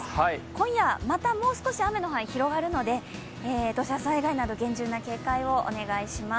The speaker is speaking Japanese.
今夜また、もう少し雨の範囲広がるので、土砂災害など厳重な警戒、お願いします。